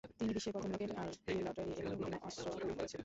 তিনি বিশ্বের প্রথম রকেট আর্টিলারি এবং বিভিন্ন অস্ত্র তৈরি করেছিল।